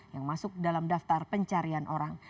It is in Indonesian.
yang masuk dalam daftar pencarian orang